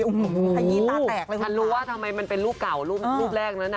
โอ้โหขยี้ตาแตกเลยฉันรู้ว่าทำไมมันเป็นรูปเก่ารูปแรกนั้นอ่ะ